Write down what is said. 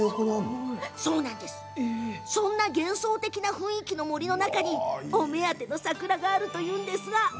そんな幻想的な雰囲気の森の中にお目当ての桜があるんだそうです。